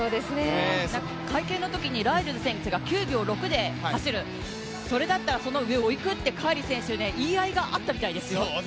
会見のときにライルズ選手が９秒６で走る、それだったらその上をいくってカーリー選手と言い合いがあったようですよ。